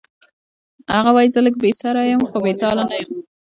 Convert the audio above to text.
هغه وایی زه لږ بې سره یم خو بې تاله نه یم